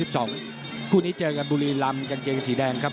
คู่นี้เจอกันบุรีลำกางเกงสีแดงครับ